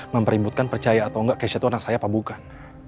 mempeributkan percaya atau enggak keisha itu anak saya apa bukan